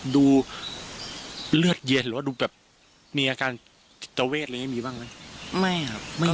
ดูเลือดเย็นหรือว่าดูแบบมีอาการจิตเจ้าเวทย์อะไรอย่างนี้มีบ้างไหม